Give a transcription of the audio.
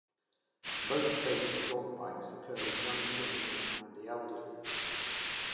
Most fatal dog bites occur in young children and the elderly.